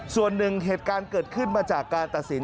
ส่วนหนึ่งเหตุการณ์เกิดขึ้นมาจากการตัดสิน